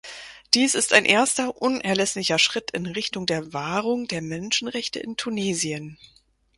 Dies ist ein erster unerlässlicher Schritt in Richtung der Wahrung der Menschenrechte in Tunesien.